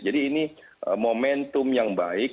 jadi ini momentum yang baik